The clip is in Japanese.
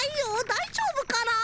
だいじょうぶかな。